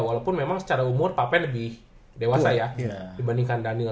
walaupun memang secara umur papan lebih dewasa ya dibandingkan daniel